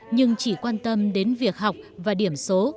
nhưng chỉ quan tâm đến việc học và điểm số